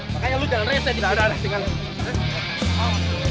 makanya lu jangan rese disini